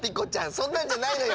そんなんじゃないのよ。